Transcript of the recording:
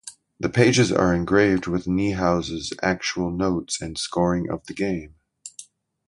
The pages are engraved with Niehaus's actual notes and scoring of the game.